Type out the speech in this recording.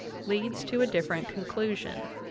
. leads to a different conclusion."